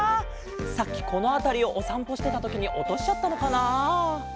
さっきこのあたりをおさんぽしてたときにおとしちゃったのかな。